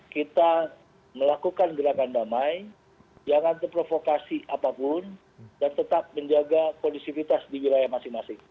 kita melakukan gerakan damai jangan terprovokasi apapun dan tetap menjaga kondisivitas di wilayah masing masing